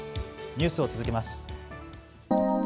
ニュースを続けます。